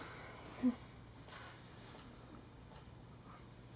うん。